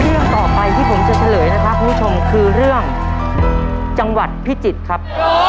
เรื่องต่อไปที่ผมจะเฉลยนะครับคุณผู้ชมคือเรื่องจังหวัดพิจิตรครับ